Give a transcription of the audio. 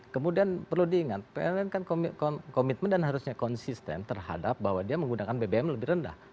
kemudian perlu diingat pln kan komitmen dan harusnya konsisten terhadap bahwa dia menggunakan bbm lebih rendah